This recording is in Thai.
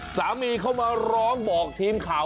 สามีเขามาร้องบอกทีมข่าว